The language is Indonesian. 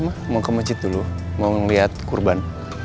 mau ke masjid dulu mau ngeliat kurban